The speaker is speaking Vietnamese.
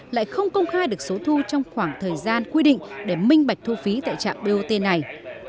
lại không công khai được số thu trong khoảng thời gian quy định để minh bạch thu phí tại trạm bot này